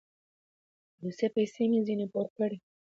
يو څه پيسې مې ځنې پور کړې.